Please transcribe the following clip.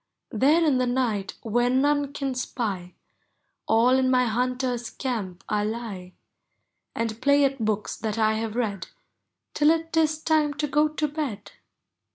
There, in the night, where none can spy, All in my hunter's camp I lie. And play at books that I have read Till it is time to go to bed.